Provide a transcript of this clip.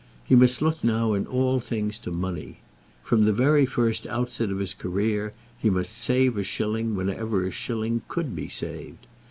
He must look now in all things to money. From the very first outset of his career he must save a shilling wherever a shilling could be saved.